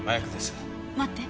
待って。